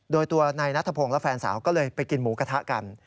โดยตัวนายนัทพงศ์และแฟนสาวก็เลยไปกินหมูกระทะกัน